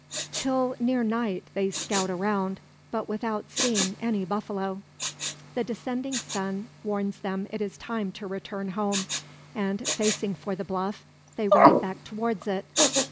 Till near night they scout around, but without seeing any buffalo. The descending sun warns them it is time to return home; and, facing for the bluff, they ride back towards it.